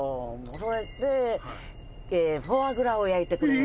それでフォアグラを焼いてくれる。